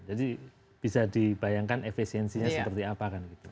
jadi bisa dibayangkan efisiensinya sangat tinggi